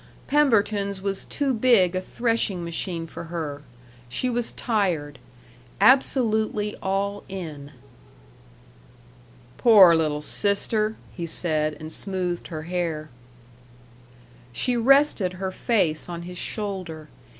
Pemberton's was too big a threshing machine for her. She was tired "absolutely all in." "Poor little sister!" he said, and smoothed her hair. She rested her face on his shoulder.